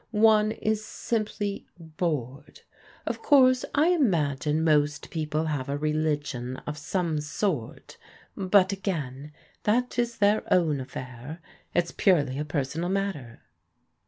One is simply bored. Of course, I imagine most people have a re ligion of some sort; but again, that is their own affair. It's purely a personal matter."